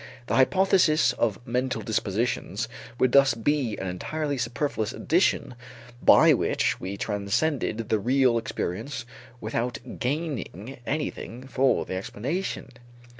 The hypothesis of mental dispositions would thus be an entirely superfluous addition by which we transcend the real experience without gaining anything for the explanation.